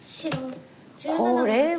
これは。